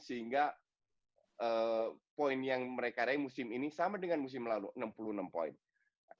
sehingga poin yang mereka raih musim ini sama dengan musim lalu enam puluh enam poin